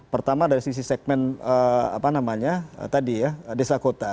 pertama dari sisi segmen apa namanya tadi ya desa kota